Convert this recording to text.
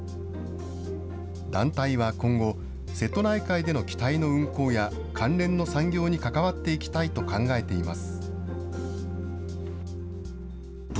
団体は今後、瀬戸内海での機体の運航や、関連の産業に関わっていきたいと考えています。